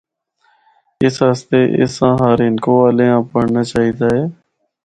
اس آسطے اس آں ہر ہندکو والے آں پڑھنا چاہی دا اے۔